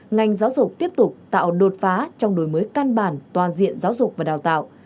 ngành giáo dục tiếp tục tạo đột phá trong đổi mới căn bản toàn diện giáo dục và đào tạo